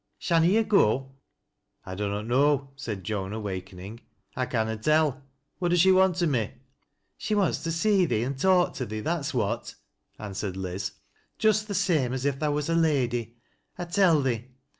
Shanna yo' go ?"" I dunnot know," said Joan awakening, " I canna tell. Wliat does she want o' me ?"" She wants to see tliee an' talk to thee, that's what," answered Liz, —" just th' same as if tha was a lady, 1 tell thee.